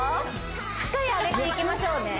しっかり上げていきましょうね